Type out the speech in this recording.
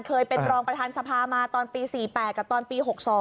เคยเป็นรองประธานสภามาตอนปี๔๘กับตอนปี๖๒